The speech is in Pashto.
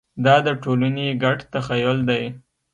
دا د ټولنې ګډ تخیل دی.